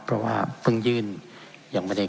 เพราะว่าเพิ่งยื่นยังไม่ได้